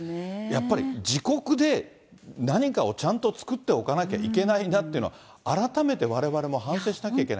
やっぱり自国で何かをちゃんと作っておかなきゃいけないなっていうのは、改めてわれわれも反省しなきゃいけない。